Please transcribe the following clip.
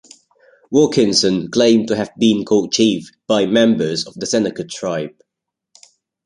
Wilkinson claimed to have been called "Chief" by members of the Seneca tribe.